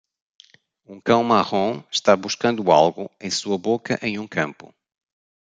Um cão marrom está buscando algo em sua boca em um campo.